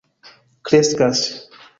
kreskas